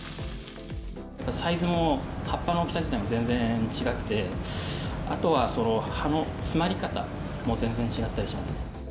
サイズも葉っぱの大きさ自体も全然ちがくて、あとは葉の詰まり方も全然違ったりしますね。